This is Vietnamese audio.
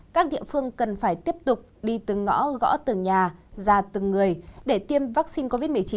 các địa phương cần phải tiếp tục đi từng ngõ gõ từng nhà ra từng người để tiêm vaccine covid một mươi chín